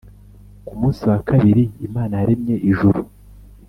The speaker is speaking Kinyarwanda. Ku munsi wa kabiri imana yaremye ijuru